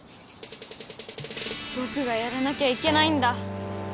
ぼくがやらなきゃいけないんだ。